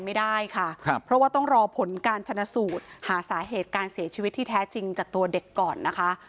ไม่ได้ค่ะครับเพราะว่าต้องรอผลการชนะสูตรหาสาเหตุการเสียชีวิตที่แท้จริงจากตัวเด็กก่อนนะคะ